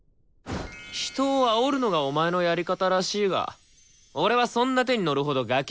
人をあおるのがお前のやり方らしいが俺はそんな手に乗るほどガキじゃない。